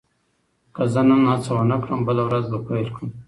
که زه نن هڅه ونه کړم، بله ورځ به پیل کړم.